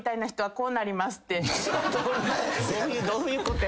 どういうことや。